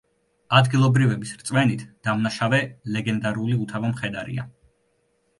ადგილობრივების რწმენით დამნაშავე ლეგენდარული უთავო მხედარია.